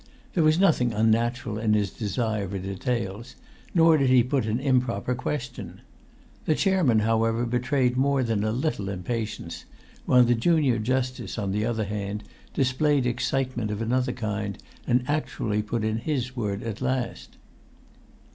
There was nothing unnatural in his desire for details, nor did he put an improper question. The chairman, however, betrayed more than a little impatience, while the junior justice, on the other hand, displayed excitement of another kind, and actually put in his word at last.